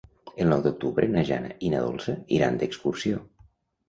El nou d'octubre na Jana i na Dolça iran d'excursió.